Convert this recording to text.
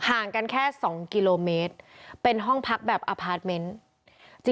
ห่างกันแค่๒กิโลเมตรเป็นห้องพักแบบอพาร์ทเมนต์